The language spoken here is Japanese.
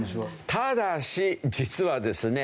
ただし実はですね